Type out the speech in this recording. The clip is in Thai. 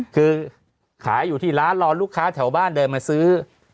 คือขายอยู่ที่ร้านรอลูกค้าแถวบ้านเดินมาซื้อ